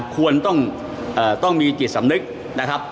ควรต้องมีจิตสำนึกนะครับ